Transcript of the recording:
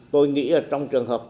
tôi nghĩ là trong trường hợp